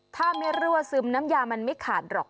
ถ้าไม่รั่วซึมน้ำยามันไม่ขาดหรอก